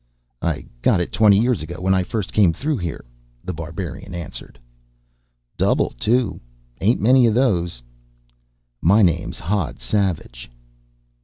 "I got it twenty years ago, when I first came through here," The Barbarian answered. "Double, too. Ain't many of those." "My name's Hodd Savage."